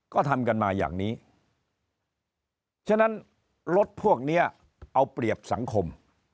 ก็ทำกันมาอย่างนี้ฉะนั้นรถพวกนี้เอาเปรียบสังคม